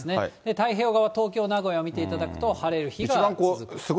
太平洋側、東京、名古屋見ていただくと、晴れる日が続く。